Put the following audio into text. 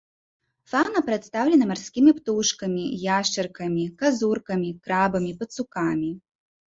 Фаўна прадстаўлена марскімі птушкамі, яшчаркамі, казуркамі, крабамі, пацукамі.